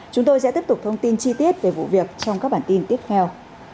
chúng tôi sẽ tiếp tục thông tin chi tiết về vụ việc trong các bản tin tiếp theo